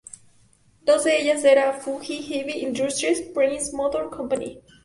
Dos de ellas eran Fuji Heavy Industries y Prince Motor Company.